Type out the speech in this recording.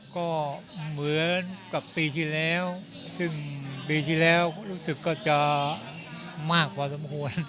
ก็เหมือนกับปีที่แล้วซึ่งปีที่แล้วรู้สึกก็จะมากพอสมควร